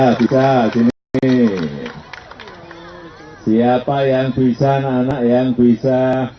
ya bisa gini siapa yang bisa anak yang bisa